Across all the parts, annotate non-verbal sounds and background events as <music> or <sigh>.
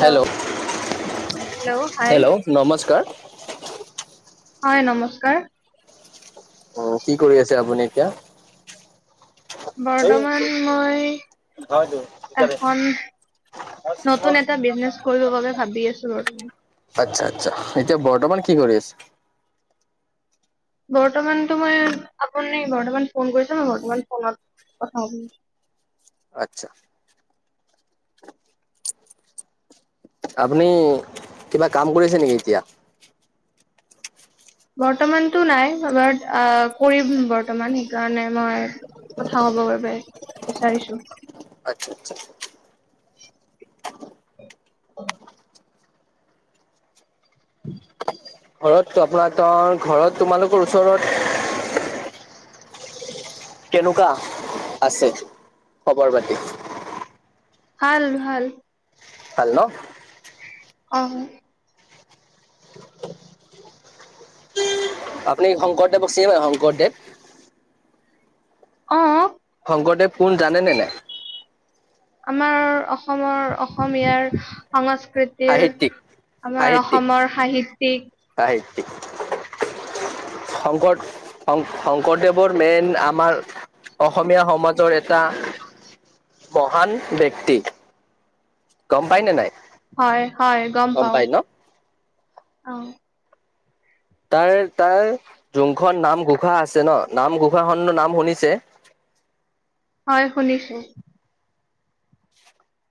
Hello hello hi hello নমস্কাৰ। হয়, নমস্কাৰ। অ', কি কৰি আছে আপুনি এতিয়া? বৰ্তমান মই হয়, দ। এখন, নতুন এটা বিজনেছ কৰিব বাবে ভাবি আছো আচ্ছা, আচ্ছা, এতিয়া বৰ্তমান কি কৰি আছ? বৰ্তমানতো মই, আপুনি বৰ্তমান ফোন কৰিছে, মই বৰ্তমান ফোনত কথা আচ্ছা। আপুনি কিবা কাম কৰিছে নেকি এতিয়া? বৰ্তমানতো নাই, বাট আ, কৰিম বৰ্তমান। কাৰণে মই কথা ক'ব বাবে বিচাৰিছোঁ। আচ্ছা, আচ্ছা। ঘৰত আপোনাৰ ত, ঘৰত তোমালোকৰ ওচৰত কেনেকুৱা আছে, খবৰ পাতি? ভাল, ভাল। ভাল ন। অ'। আপুনি শংকৰদেৱক চিনি পাই শংকৰদেৱ? অ'। শংকৰদেৱ কোন জানেনে নাই? আমাৰ অসমৰ অসমীয়াৰ সংস্ক কৃতিৰ সাহিত্যিক আমাৰ সাহিত্যিক অসমৰ সাহিত্যিক সাহিত্যিক। শংকৰ শং-শংকৰদেৱৰ মেইন আমাৰ অসমীয়া সমাজৰ এটা মহান ব্যক্তি। গম পাই নে নাই? হয়, হয়, গম পাওঁ পাই ন অ'। তাৰ তাৰ যোনখন নামঘোষা আছে ন, নামঘোষা খনৰ নাম শুনিছে? হয় শুনিছো।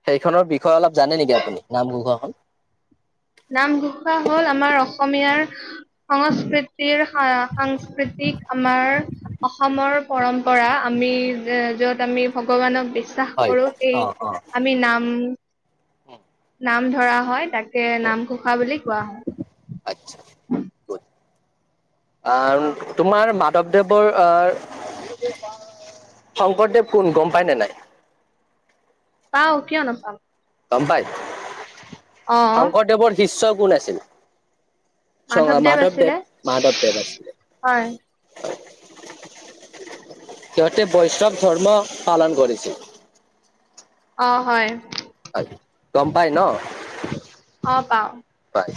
সেইখনৰ বিষয়ে অলপ জানে নেকি আপুনি নামঘোষাখন? নামঘোষা হ'ল আমাৰ অসমীয়াৰ সংস্কৃতি তিৰ সাৰ-সাংস্কৃতিক আমাৰ অসমৰ পৰম্পৰা, আমি য'ত আমি ভগৱানক বিশ্বা শ্বাস হয় কৰো অ এই, অ আমি নাম, নাম ধৰা হয় তাকে নামঘোষা বুলি কোৱা হয়। আচ্ছা <inaudible> আ, তোমাৰ মাধৱদেৱৰ আ শংকৰদেৱ কোন গম পাই নে নাই? পাও কিয় নাপাওঁ? গম পাই? অ শংকৰদেৱৰ শিষ্য কোন আছিল? চ, মাধৱদেৱ মাধৱ আছিলে দেৱ, মাধৱ দেৱ আছিলে। হয় সিহঁতে বৈষ্ণৱ ধৰ্ম পালন কৰিছিল। অ', হয়। হয়, গম পায় ন? অ', পাও। পায়,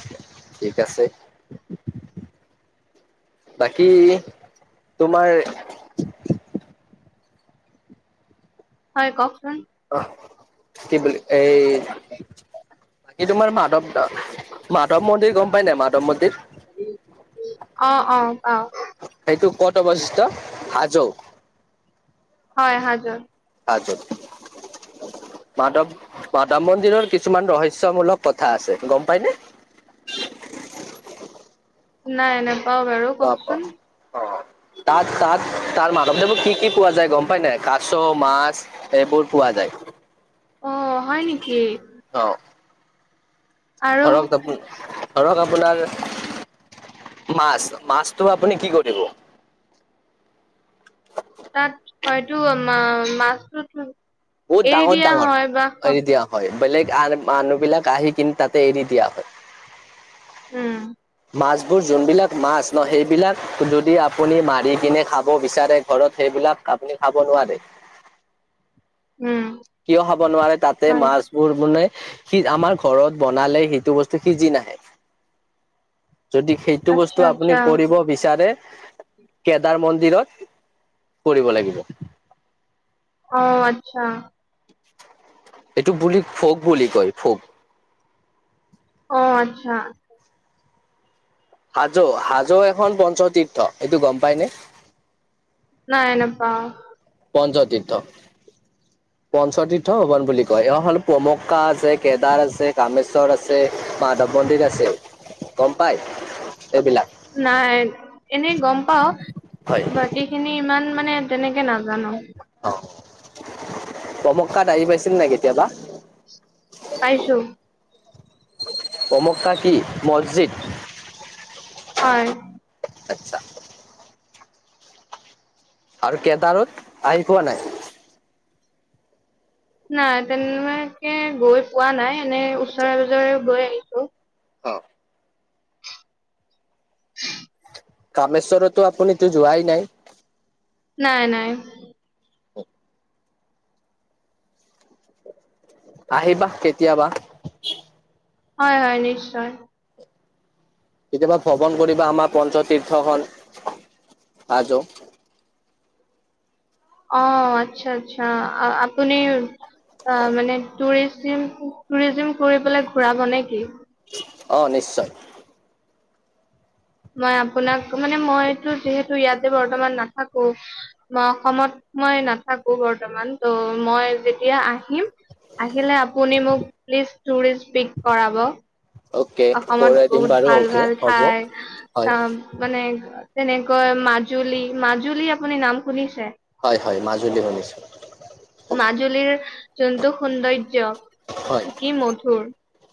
ঠিক আছে। বাকী তোমাৰ হয় কওকচোন। অহ, কি বুলি এই ই তোমাৰ, মাধৱ আহ, মাধৱ মন্দিৰ গম পায় নাই, মাধৱ মন্দিৰ? অ', অ', পাও। সেইটো ক'ত অৱস্থিত হাজো। হয়, হাজোত। হাজোত। মাধৱ, মাধৱ মন্দিৰৰ কিছুমান ৰহস্যমূলক কথা আছে, গম পাইনে? নাই নাপাও বাৰু কওকচোন। অ', তাত তাত তাৰ মাধৱদেৱত কি কি পোৱা যায়, গম পায় নাই কাছ মাছ এইবোৰ পোৱা যায়। অঁ হয় নিকি? চাওঁ। আৰু ধৰক জাপো। ধৰক আপোনাৰ মাছ, মাছটো আপুনি কি কৰিব? তাত হয়তো মা মাছটোত- বহুত ডাঙৰ ডাঙৰ এৰি দিয়া হয়, বেলেগ মানুহ বিলাক আহি কিনে তাতে এৰি দিয়া হয়। উম' মাছবোৰ যোনবিলাক মাছ ন সেইবিলাক- যদি আপুনি মাৰি কিনে খাব বিচাৰে ঘৰত, সেইবিলাক আপুনি খাব নোৱাৰে। উম' কিয় খাব নোৱাৰে? তাতে হয় মাছ- বোৰ মানে সিজ আমাৰ ঘৰত বনালে সেইটো বস্তু সিজি নাহে। যদি সেইটো আচ্ছা বস্তু আপুনি আচ্ছা কৰিব- বিচাৰে কেদাৰ মন্দিৰত কৰিব লাগিব। অঁ আৎচ্ছা। এইটো বুলি ফওক বুলি কয় ফওক। অঁ আৎচ্ছা। হাজো, হাজো এখন পঞ্চতীৰ্থ এইটো গম পাইনে? নাই নাপাওঁ। পঞ্চতীৰ্থ। পঞ্চতীৰ্থ ভৱন বুলি কয়। এয় হ'ল পমক্কা আছে কেদাৰ আছে কামেশ্বৰ আছ- ছে মাধৱ মন্দিৰ আছে গম পায় এইবিলাক? নাই এনেই গম পাওঁ। হয় বাকি- খিনি ইমান মানে তেনেকে নাজানো। অঁ পমক্কাত আহি পাইছে নে নাই কেতিয়াবা? পাইছো। কমক্কা কি? মছজিদ। হয়। আৎচ্ছা। আৰু কেদাৰত আহি পোৱা নাই। নাই তেনেকে গৈ পোৱা নাই এনেই ওচৰে পজৰে গৈ আহিছো। হঁ'। <inaudible> কামেশ্বৰতো আপনিটো যোৱাই নাই। নাই নাই। আহিবা কেতিয়াবা। হয় হয়, নিশ্চয়। কেতিয়াবা ভ্ৰমণ কৰিবা আমাৰ পঞ্চতীৰ্থখন। আ য- অঁ আৎচ্ছা আৎচ্ছা, আপুনি অঁ মানে টুৰি- জিম টুৰিজিম কৰি পেলাই ঘূৰাব নে কি? অঁ নিশ্চয়। মই আপোনাক মানে মইতো যিহেতু ইয়াতে বৰ্তমান নাথাকো। মই অসমত মই নাথাকো বৰ্তমান ত' মই যেতিয়া আহিম- আহিলে আপুনি মোক প্লিছ টোৰিছ পিক কৰাব। অ'কে অসমত কৰাই দিম বহুত বাৰু ভাল অ'কে ভাল হ'ব ঠাই হয় কাম- মানে যেনেকৈ মাজুলী মাজুলী আপুনি নাম শুনিছে হয় হয় মাজুলী শুনিছোঁ মাজুলীৰ যোনটো সৌন্দৰ্য হয় কি মধুৰ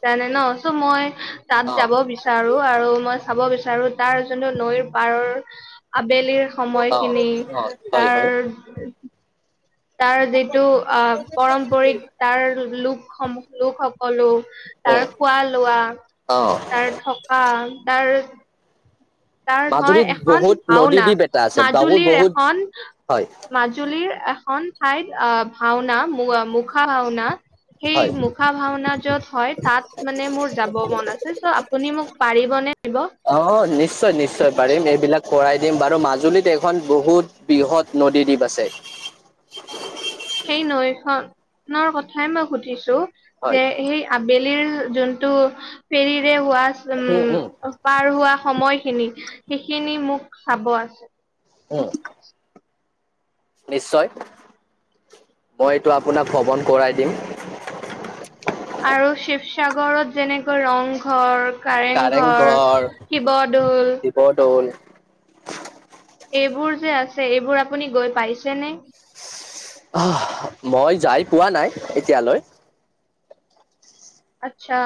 জানে ন চ মই তাত অ যাব বিচ বিচাৰো আৰু মই চাব বিচাৰো তাৰ যোনটো নৈৰ পাৰৰ আবেলিৰ অ সময়খিনি অ হয় হয় তাৰ তাৰ যিটো আহ পাৰম্পৰিক তাৰ লোক সম লোক সকলো উম তাৰ খোৱা লোৱা অ তাৰ থকা তাৰ তাৰ হয় মাজুলীত এখন বহুত নদী ভাওনা দ্বীপ এটা আছে বহুত মাজুলীৰ বহুত এখন হয় মাজুলীৰ এখন ঠাইত আহ ভাওনা মুখা ভাওনা সেই হয় মুখা ভাওনা য'ত হয় তাত মানে মোৰ যাব মন আছে চ' আপুনি মোক পাৰিব নে নিব অ' নিশ্চয় নিশ্চয় পাৰিম এইবিলাক কৰাই দিম বাৰু মাজুলীত এখন বহুত বৃহৎ নদী দ্বীপ আছে। সেই নৈখনৰ কথাই মই সুধিছো হয়। যে সেই আবেলিৰ যোনটো ফেৰীৰে হোৱা উম পাৰ হোৱা সময়খিনি সেইখিনি মোক চাব আছে। উম। নিশ্চয় মই এইটো আপোনাক ভ্ৰমন কৰাই দিম। আৰু শিৱসাগৰত যেনেকৈ ৰংঘৰ কাৰেংঘৰ, শিৱদৌল শিৱদৌল এইবোৰ যে আছে এইবোৰ আপুনি গৈ পাইছেনে অহ মই যাই পোৱা নাই এতিয়ালৈ আচ্ছা।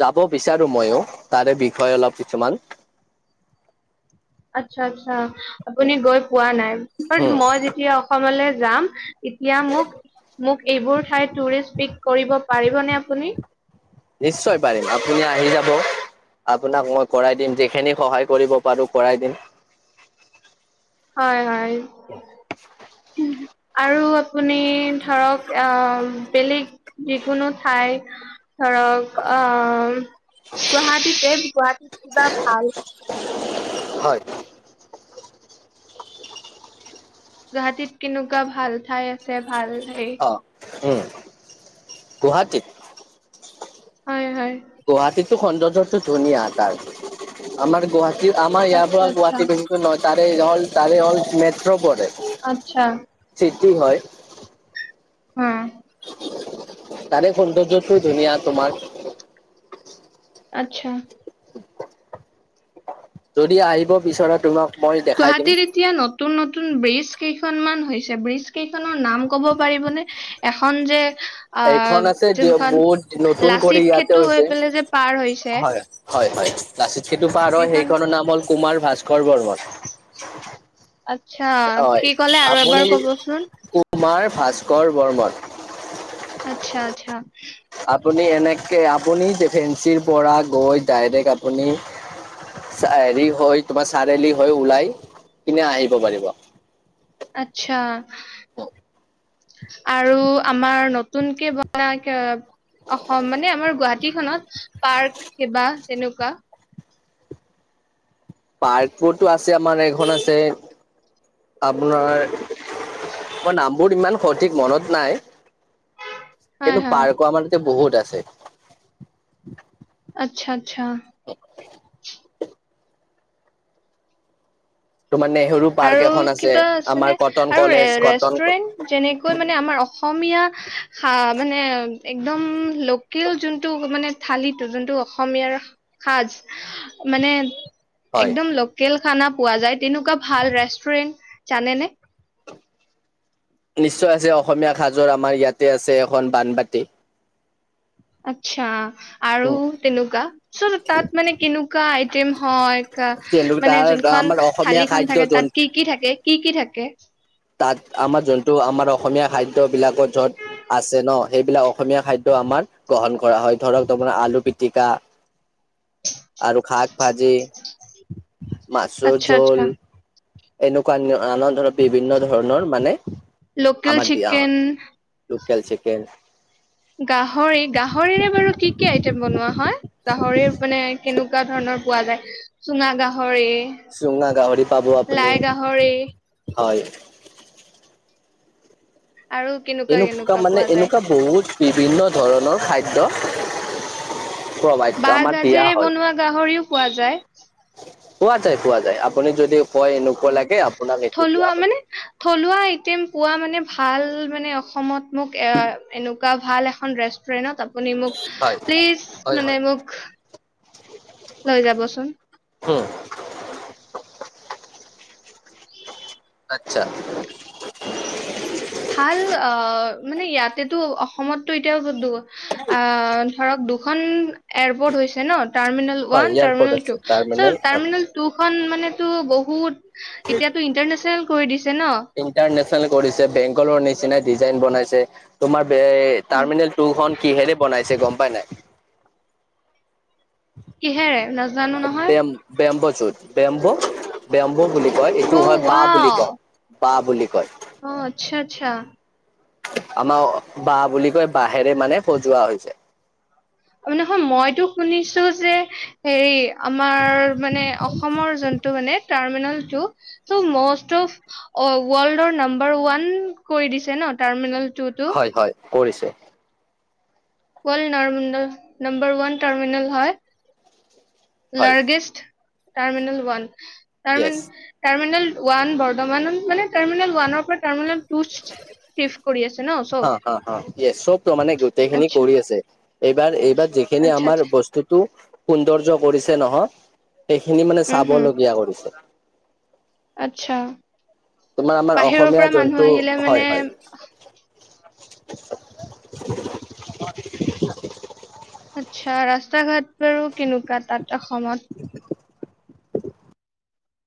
যাব বিচাৰো ময়ো তাৰে বিষয় অলপ কিছুমান আচ্ছা আচ্ছা আপুনি গৈ পোৱা নাই বাত উম। মই যেতিয়া অসমলৈ যাম এতিয়া মোক মোক এইবোৰ ঠাই টুৰিষ্ট পিক কৰিব পাৰিবনে আপুনি নিশ্চয় পাৰিম আপুনি আহি যাব আপোনাক মই কৰাই দিম যিখিনি সহায় কৰিব পাৰো কৰাই দিম। হয়, হয় উম আৰু আপুনি ধৰক আহ বেলেগ যিকোনো ঠাই ধৰক অ' গুৱাহাটীতে গুৱাহাটীত ভাল হয়। গুৱাহাটীত কেনেকুৱা ভাল ঠাই আছে ভাল হেৰি অ'। উম। গুৱাহাটীত হয়, হয়। গুৱাহাটীটো সৌন্দৰ্যটো ধুনীয়া তাৰ, আমাৰ গুৱাহাটী আমাৰ ইয়াৰ আচ্ছা পৰা আচ্ছা গুৱাহাটী বহু নহয় তাৰে হ'ল তাৰে হ'ল মেট্ৰ' পৰে আচ্ছা চিটি হয়। উম। তাৰে সৌন্দৰ্যটো ধুনীয়া তোমাৰ। আচ্ছা। যদি আহিব বিচৰা তোমাক মই দেখাই দিম গুৱাহাটীৰ এতিয়া নতুন নতুন ব্ৰীজ কেইখনমান হৈছে ব্ৰীজ কেইখনৰ নাম ক'ব পাৰিবনে এখন যে এইখন অ' আছে যোনখন বহুত নতুন কৰি লাচিত ইয়াতে সেতু হৈ হৈছে। পেলাই যে পাৰ হৈছে, হয়। হয়, হয়, লাচিত সেতু পাৰ হৈ সেইখন সেইখনৰ নাম হ'ল কুমাৰ ভাস্কৰ বৰ্মন। আচ্ছা, হয় কি কলে আৰু আপুনি এবাৰ কবচোন? কুমাৰ ভাস্কৰ বৰ্মন। আচ্ছা, আচ্ছা। আপুনি এনেকে আপুনি যে ফেঞ্চিৰ পৰা গৈ ডাইৰেক্ট আপুনি, হেৰি হৈ তোমাৰ চাৰআলি হৈ ওলাই কিনে আহিব পাৰিব। আচ্ছা। আৰু আমাৰ নতুনকে বনা কে অসম মানে আমাৰ গুৱাহাটী খনত পাৰ্ক কিবা তেনেকুৱা? পাৰ্কোবোৰতো আছে আমাৰ এখন আছে আপোনাৰ, মই নামবোৰ ইমান সঠিক মনত নাই। হয় কিন্তু হয় পাৰ্কো আমাৰ তাতে বহুত আছে। আচ্ছা, আচ্ছা। তোমাৰ নেহেৰু পাৰ্ক আৰু এখন কিবা আছে আমাৰ নে কটন আৰু ৰে কলেজ কটন ৰেষ্টুৰেণ্ট? যেনেকৈ মানে আমাৰ অসমীয়া হা মানে একদম লো কেল, যোনটো মানে থালিটো যোনটো অসমীয়াৰ সাজ মানে, হয় একদম লোকেল খানা পোৱা যায়, তেনেকুৱা ভাল ৰেষ্টুৰেণ্ট জানে নে? নিশ্চয় আছে, অসমীয়া সাজৰ আমাৰ ইয়াতে আছে এখন বানবাটি। আচ্ছা, আৰু উম তেনেকুৱা? চ্' তাত মানে কেনেকুৱা আইটেম হয়, কিন্তু ক মানে তাৰ যোনখন আমাৰ অসমীয়া থালি খন খাদ্য থাকে, যোন তাত কি কি থাকে? কি কি থাকে? তাত আমাৰ যোনটো আমাৰ অসমীয়া খাদ্য বিলাকত যত, আছে ন, সেইবিলাক অসমীয়া খাদ্য আমাৰ, গ্ৰহণ কৰা হয়। ধৰক তোমাৰ আলু পিটিকা, আৰু শাক ভাজি, মাছৰ আচ্ছা জোল, আচ্ছা এনেকুৱা নানা ধৰণৰ বিভিন্ন ধৰণৰ মানে, লোকেল আমাৰ দিয়া চিকেন হয়। লোকেল চিকেন গাহৰি, গাহৰিৰে বাৰু কি কি আইটেম বনোৱা হয়? গাহৰি মানে কেনেকুৱা ধৰণৰ পোৱা যায়? চুঙা গাহৰি, চুঙা গাহৰি পাব আপুনি, লাই গাহৰি হয়। আৰু, কেনেকুৱা এনেকুৱা কেনেকুৱা মানে পোৱা যায় এনেকুৱা বহুত বিভিন্ন ধৰণৰ খাদ্য। প্ৰভাইট, বাঁহ আমাক দিয়া গাজেৰে হল। বনোৱা গাহৰিও পোৱা যায়? পোৱা যায়, পোৱা যায়। আপুনি যদি কয় অ এনেকুৱা লাগে, আপোনাক সেইটো দিয়া থলুৱা হৈ মানে যাব। থলুৱা আইটেম পোৱা মানে ভাল মানে অসমত মোক এ এনেকুৱা ভাল এখন ৰেষ্ট ৰেণ্ট আপুনি মোক হয় প্লিজ হয় মানে হয় মোক, লৈ যাবচোন। উম। <unintelligible> আচ্ছা। ভাল, অ মানে ইয়াতেতো অসমতো এতিয়াও দু আহ, ধৰক দুখন এয়াৰপৰ্ট হৈছে ন, টাৰ্মিনেল হয় ওৱান, এয়াৰপৰ্ট টাৰ্মিনেল আছে টু। টাৰ্মিনেল চ্' টাৰ্মিনেল টুখন মানে তো বহুত, এতিয়াতো ইন্টাৰনেচনেল কৰি দিছে ন? ইণ্টাৰনেচনেল কৰি দিছে। বেংগলৰ নিচিনা ডিজাইন বনাইছে। তোমাৰ বে উম, টাৰ্মিনেল, তোৰ খন কিহেৰে বনাইছে গ'ম পাই নাই? কিহেৰে? নাজানো নহয়। বেম্বছুত, বেম্ব বেম্ব বুলি কয়, এইটো অ হয় বাহঁ বুলি ৱাও কয়। বাহঁ বুলি কয়। অ', আচ্ছা, আচ্ছা। আমাৰ বাহঁ বুলি কয়, বাঁহেৰে মানে সজোৱা হৈছে। অঁ, নহয়, মইতো শুনিছো যে হেৰি আমাৰ মানে অসমৰ জ টো মানে টাৰ্মিনেলটো, ম'ষ্ট অফ অ' ৱৰ্ল্ডৰ নাম্বাৰ ওৱান কৰি দিছে ন টাৰ্মিনেল টো? হয় হয়, কৰিছে। World terminal number one terminal হয়। হয় লাৰ্জেষ্ট টাৰ্মিনেল ওৱান য়েছ। তাৰমানে টাৰ্মিনেল ওৱান বৰ্তমান টাৰ্মিনেল ওৱানৰ পৰা টাৰ্মিনেল টু চিফ্ট কৰি আছে ন চব হ', হ', হ', ইয়েচ, চব ত মানে গোটেইখিনি আচ্ছা কৰি আছে। এইবাৰ, এইবাৰ যিখিনি আচ্ছা আমাৰ আচ্ছা বস্তুতটো সৌন্দৰ্য কৰিছে নহয় সেইখিনি মানে উম চাব হম লগগীয়া কৰিছে। আচ্ছা, তোমাৰ আমাৰ বাহিৰৰ অসমীয়া পৰা জন্তু মানুহ আহিলে হয় মানে হয়। আচ্ছা। ৰাস্তা ঘাট বাৰু কেনেকুৱা তাত অসমত?